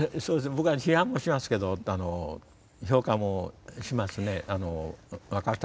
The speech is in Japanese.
僕は批判もしますけど評価もしますね若い作家の仕事。